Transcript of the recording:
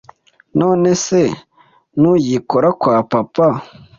None se ntugikora kwa Papa